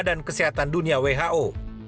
badan kesehatan dunia who